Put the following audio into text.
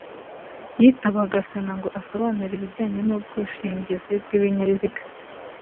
yitabaga Sena ngo asobanure ibijyanye n’ubwushingizi bw’ibinyabiziga